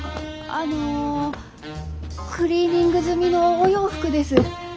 あのクリーニング済みのお洋服です。